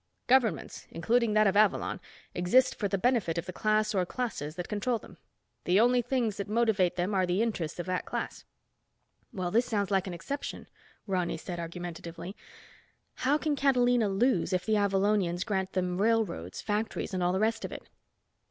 Governments, including that of Avalon, exist for the benefit of the class or classes that control them. The only things that motivate them are the interests of that class." "Well, this sounds like an exception," Ronny said argumentatively. "How can Catalina lose if the Avalonians grant them railroads, factories and all the rest of it?"